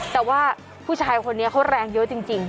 แต่ว่าผู้ชายคนนี้เขาแรงเยอะจริง